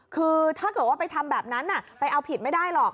คือถ้าเกิดว่าไปทำแบบนั้นไปเอาผิดไม่ได้หรอก